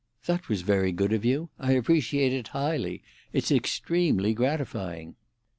"That was very good of you. I appreciate it highly. It's extremely gratifying."